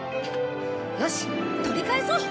よし取り返そう！